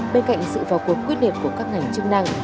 bên cạnh sự vào cuộc quyết liệt của các ngành chức năng